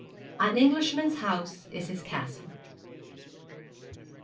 AN ENGLISHMAN'S HOUSE IS HIS CASTLE.